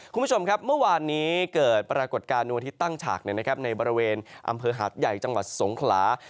คุณผู้ชมครับเมื่อวานนี้เกิดปรากฏการณ์วันอาทิตย์ตั้งฉากในบริเวณอำเภอหาดใหญ่จังหวัดสงขลา